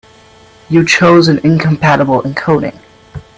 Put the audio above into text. You chose an incompatible encoding.